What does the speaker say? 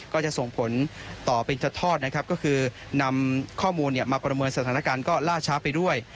ก็จะส่งผลต่อเป็นจะทอดนะครับก็คือนำข้อมูลมาประเมินสถานการณ์ก็ล่าช้าไปด้วย